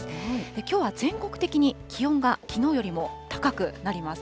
きょうは全国的に気温がきのうよりも高くなります。